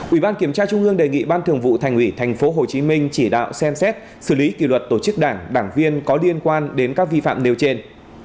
ủy ban kiểm tra trung ương đề nghị ban thường vụ thành ủy tp hcm chỉ đạo xem xét xử lý kỷ luật tổ chức đảng đảng viên có liên quan đến các vi phạm nêu trên